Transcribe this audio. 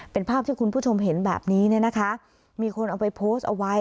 เป็นภาพที่คุณผู้ชมเห็นแบบนี้เนี่ยนะคะมีคนเอาไปโพสต์เอาไว้